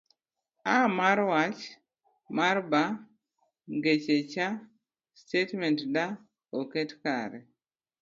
A. mar Wach mar B. Ngeche C. Statement D. oket kare